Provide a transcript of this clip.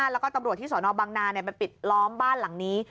แล้วก็ตำรวจที่สนบังนาไปปิดล้อมบ้านหลังนี้